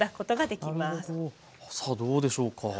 さあどうでしょうか。